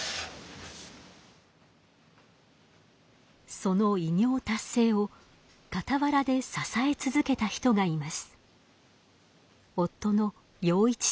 その偉業達成を傍らで支え続けた人がいます。